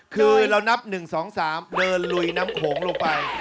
คือเรานับ๑๒๓เดินลุยน้ำโขงลงไป